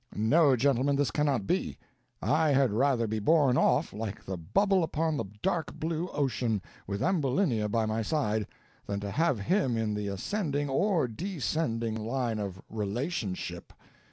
no, gentlemen, this cannot be; I had rather be borne off, like the bubble upon the dark blue ocean, with Ambulinia by my side, than to have him in the ascending or descending line of relationship.